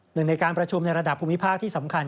หนึ่งในการประชุมในระดับภูมิภาคที่สำคัญ